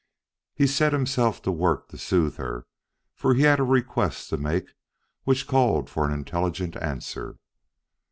He set himself to work to soothe her, for he had a request to make which called for an intelligent answer.